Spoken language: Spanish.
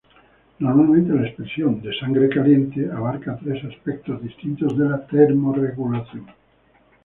Normalmente la expresión "de sangre caliente" abarca tres aspectos distintos de la termorregulación.